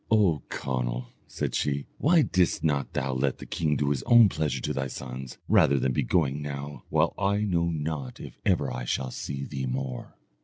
"O Conall," said she, "why didst not thou let the king do his own pleasure to thy sons, rather than be going now, while I know not if ever I shall see thee more?"